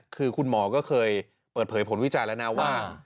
คือคุณหมอก็เคยเปิดเผยผลวิจารณ์แล้วนะว่า